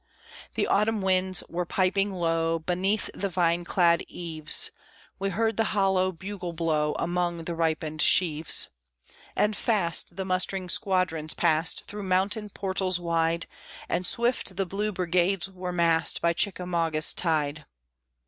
The autumn winds were piping low, Beneath the vine clad eaves; We heard the hollow bugle blow Among the ripened sheaves. And fast the mustering squadrons passed Through mountain portals wide, And swift the blue brigades were massed By Chickamauga's tide.